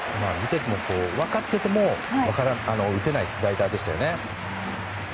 分かってても打てないスライダーでしたよね。